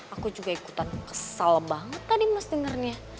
aku juga ikutan kesal banget tadi mas dengernya